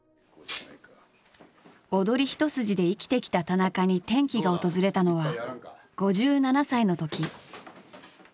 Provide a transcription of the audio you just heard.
踊り一筋で生きてきた田中に転機が訪れたのは５７歳のとき。